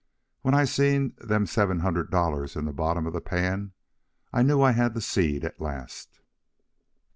When I seen them seven hundred dollars in the bottom of the pan, I knew I had the seed at last."